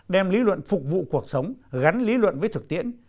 đem lý luận phục vụ cuộc sống gắn lý luận với thực tiễn